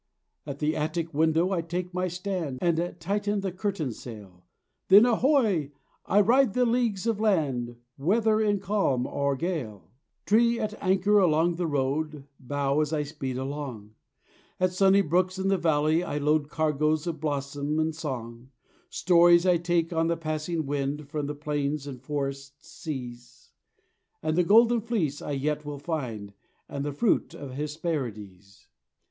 At the attic window I take my stand, And tighten the curtain sail, Then, ahoy! I ride the leagues of land, Whether in calm or gale. Tree at anchor along the road Bow as I speed along; At sunny brooks in the valley I load Cargoes of blossom and song; Stories I take on the passing wind From the plains and forest seas, And the Golden Fleece I yet will find, And the fruit of Hesperides.